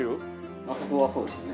あそこはそうですね。